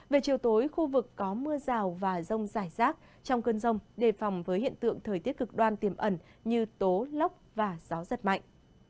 về chiều tối khu vực có mưa rào và rông rải rác trong cơn rông đề phòng với hiện tượng thời tiết cực đoan tiềm ẩn như tố lốc và gió giật mạnh